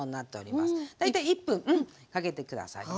大体１分かけて下さいね。